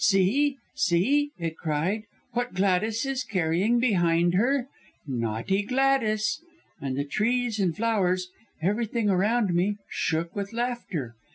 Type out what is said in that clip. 'See! see,' it cried, 'what Gladys is carrying behind her. Naughty Gladys!' And trees and flowers everything around me shook with laughter.